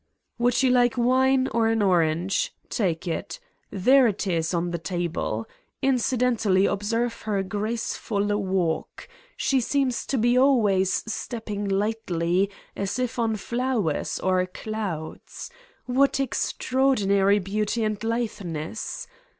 66 Would you like wine or an orange? Take it. There it is on the table. Incidentally, observe her graceful walk: she seems to be always stepping lightly as if on flowers or clouds. What extra ordinary beauty and litheness!